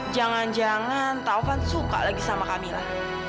jangan jangan tovan suka lagi sama kamilah